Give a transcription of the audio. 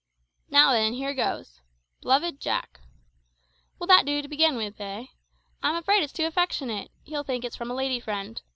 Now, then, here goes: `B'luv'd Jack,' will that do to begin with, eh? I'm afraid it's too affectionate; he'll think it's from a lady friend.